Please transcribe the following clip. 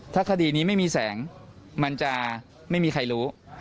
ถ้าคดีนี้ไม่มีแสงมันจะไม่มีใครรู้